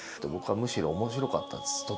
僕はむしろ面白かったです